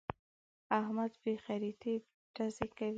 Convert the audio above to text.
احمد بې خريطې ډزې کوي.